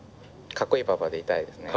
かっこいいパパでいたいですね。